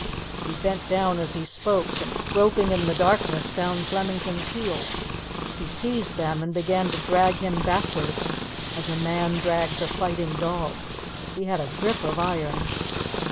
He bent down as he spoke and groping in the darkness, found Flemington's heels. He seized them and began to drag him backwards as a man drags a fighting dog. He had a grip of iron.